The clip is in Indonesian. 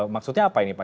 maksudnya apa ini pak